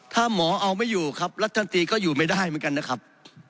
ถ้าหมอเอาไม่อยู่ครับรัฐมนตรีก็อยู่ไม่ได้เหมือนกันนะครับ